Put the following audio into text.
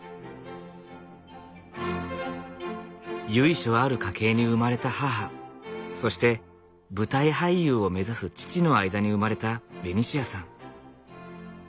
由緒ある家系に生まれた母そして舞台俳優を目指す父の間に生まれたベニシアさん。